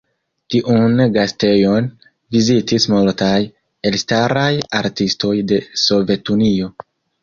Tiun gastejon vizitis multaj elstaraj artistoj de Sovetunio.